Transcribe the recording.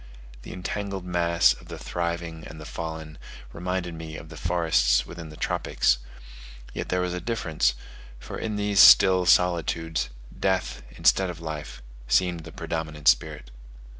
The entangled mass of the thriving and the fallen reminded me of the forests within the tropics yet there was a difference: for in these still solitudes, Death, instead of Life, seemed the predominant spirit.